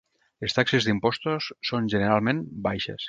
Les taxes d'impostos són generalment baixes.